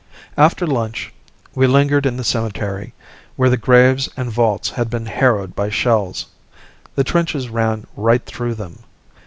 After lunch we lingered in the cemetery, where the graves and vaults had been harrowed by shells; the trenches ran right through them.